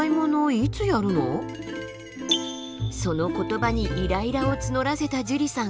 その言葉にイライラを募らせたじゅりさん。